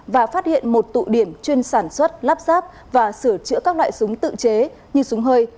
và phát hiện một tụ điểm chuyên sản xuất lắp ráp và sửa chữa các loại súng tự chế như súng hơi